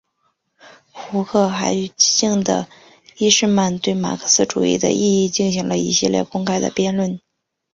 胡克还与激进的伊士曼对马克思主义的意义进行了一系列公开的辩论。